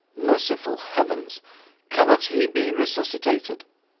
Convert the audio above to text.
'Merciful heavens! Cannot he be resuscitated?'